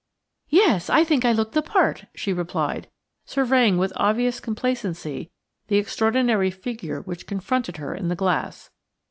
"Yes! I think I look the part," she replied, surveying with obvious complacency the extraordinary figure which confronted her in the glass.